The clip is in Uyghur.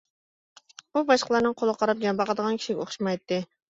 ئۇ باشقىلارنىڭ قولىغا قاراپ جان باقىدىغان كىشىگە ئوخشىمايتتى.